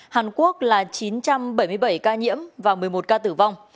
hàn quốc là chín trăm bảy mươi bảy ca nhiễm và một mươi một ca tử vong